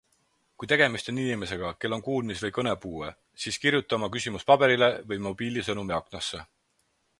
Kui tegemist on inimesega, kel on kuulmis- või kõnepuue, siis kirjuta oma küsimus paberile või mobiili sõnumiaknasse.